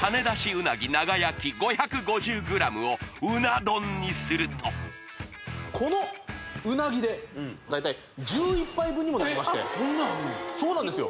うなぎ長焼き５５０ｇをこのうなぎで大体１１杯分にもなりましてそんなあるんやそうなんですよ